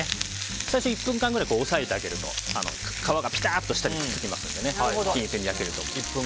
最初１分間くらい押さえてあげると皮がピタッとつきますので均一に焼けると思います。